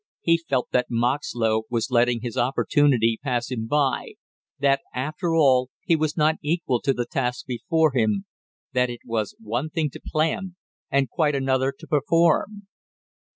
He felt that Moxlow was letting his opportunity pass him by, that after all he was not equal to the task before him, that it was one thing to plan and quite another to perform.